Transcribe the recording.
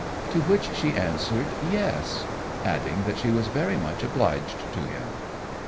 To which she answered, "Yes;" adding that she was very much obliged to him.